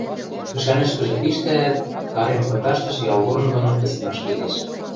кӹшӓнӹшкӹжӹ пиштӓӓт, карем пындаштыш ялгорны доно пӹсӹн ашкедеш.